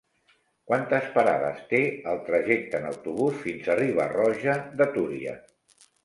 Quantes parades té el trajecte en autobús fins a Riba-roja de Túria?